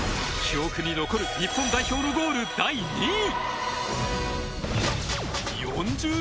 記憶に残る日本代表のゴール第２位。